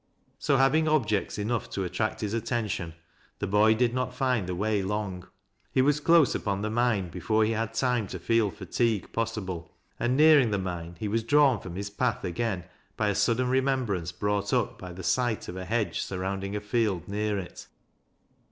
So, having objects enough to attract liis attention, the boy did not find the way long. He was close upon the mine before he had time to feel fatigue po8sil>le, and, nearing the mine, he was drawn from Li» path again by a sudden remembrance brought up by the tight of a hedge surrounding a field near it.